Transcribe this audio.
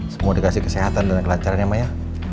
semua dikasih kesehatan dan kelancaran ya mbak ya